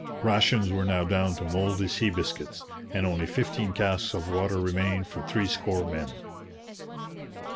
Rations were now down to mouldy sea biscuits, and only fifteen casks of water remained for three score men.